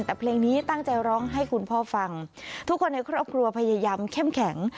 แต่เพลงนี้ตั้งใจร้องให้คุณพ่อฟังทุกคนในครอบครัวพยายามเข้มแข็ง